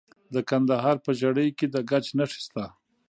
د کندهار په ژیړۍ کې د ګچ نښې شته.